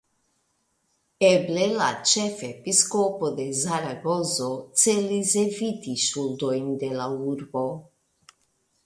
Eble la ĉefepiskopo de Zaragozo celis eviti ŝuldojn de la urbo.